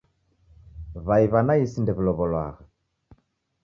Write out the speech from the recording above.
W'ai w'a naisi ndew'ilow'olwagha